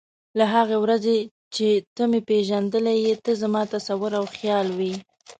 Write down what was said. له هغې ورځې چې ته مې پېژندلی یې ته زما تصور او خیال وې.